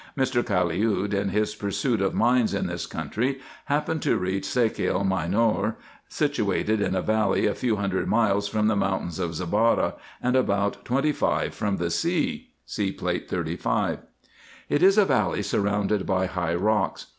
Mr. Caliud in his pursuit of mines in this country happened to reach Sakial Minor, situated in a valley, a few miles from the mountain of Zabara, and about twenty five from the sea (See Plate 35). It is a valley surrounded by high rocks.